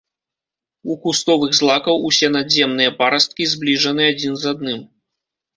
У кустовых злакаў усе надземныя парасткі збліжаны адзін з адным.